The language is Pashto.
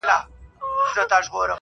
د استعمارګر ارزښتونه نيسي